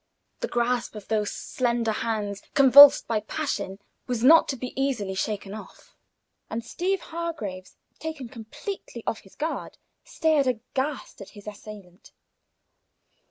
The grasp of those slender hands, convulsed by passion, was not to be easily shaken off; and Steeve Hargraves, taken completely off his guard, stared aghast at his assailant.